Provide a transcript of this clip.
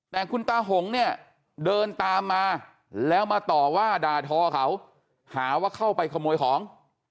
แต่คุณตาหงเนี่ยเดินตามมาแล้วมาต่อว่าด่าทอเขาหาว่าเข้าไปขโมยของ